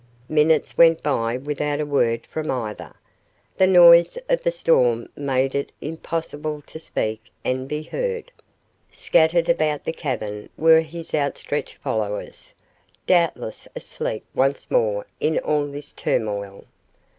Minutes went by without a word from either. The noise of the storm made it impossible to speak and be heard. Scattered about the cavern were his outstretched followers, doubtless asleep once more in all this turmoil.